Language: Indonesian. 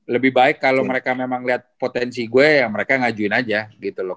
lebih baik kalau mereka memang lihat potensi gue yang mereka ngajuin aja gitu loh